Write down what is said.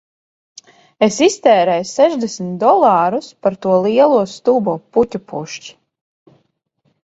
Es iztērēju sešdesmit dolārus par to lielo stulbo puķu pušķi